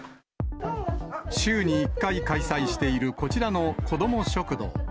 週に１回開催しているこちらのこども食堂。